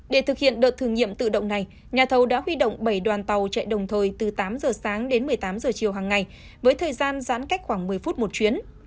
để thực hiện đợt thử nghiệm tự động này nhà thầu đã huy động bảy đoàn tàu chạy đồng thời từ tám giờ sáng đến một mươi tám giờ chiều hàng ngày với thời gian giãn cách khoảng một mươi phút một chuyến